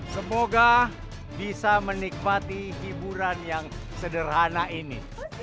semoga bisa menikmati hiburan yang sederhana ini